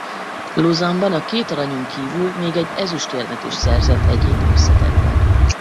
Lausanne-ban a két aranyon kívül még egy ezüstérmet is szerzett egyéni összetettben.